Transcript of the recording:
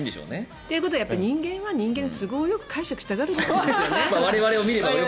ということは人間は人間に都合よく解釈したがるんですよね。